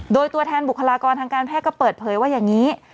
โดยตัวแทนบุคลากรทางการแพทย์ก็เปิดเผยว่าอย่างนี้